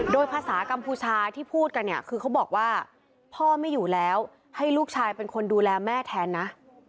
โดยภาษากัมพูชาที่พูดกันเนี่ยคือเขาบอกว่าพ่อไม่อยู่แล้วให้ลูกชายเป็นคนดูแลแม่แทนนะ